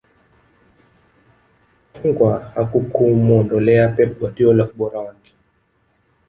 Kufungwa hakukumuondolea Pep Guardiola ubora wake